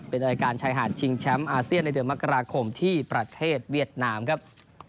เป็นรายการชายหาดชิงแชมป์อาเซียนในเดือนมกราคมที่ประเทศเวียดนามครับ